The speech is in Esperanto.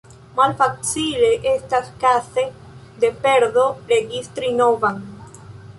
Malfacile estas kaze de perdo registri novan.